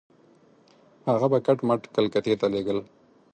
هغه به کټ مټ کلکتې ته لېږل.